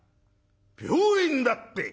「病院だって！？